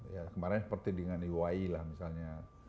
ya kemarin seperti dengan iwai lah misalnya